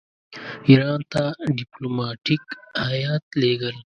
ایران ته ډیپلوماټیک هیات لېږل.